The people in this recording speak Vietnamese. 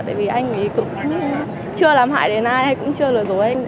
tại vì anh ấy cũng chưa làm hại đến ai cũng chưa lừa dối anh